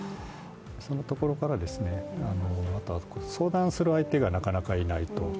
そんなところからあとは相談する相手がなかなかいないと。